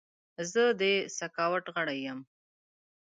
زه د سکاوټ غړی یم.